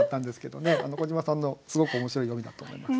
小島さんのすごく面白い読みだと思います。